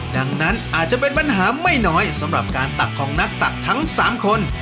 ดังนั้นอาจจะเป็นปัญหาไม่น้อยสำหรับการตักของนักตักทั้ง๓คน